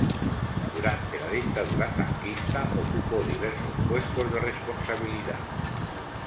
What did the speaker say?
Durante la Dictadura franquista ocupó diversos puestos de responsabilidad.